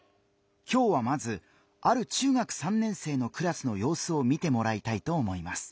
今日はまずある中学３年生のクラスのようすを見てもらいたいと思います。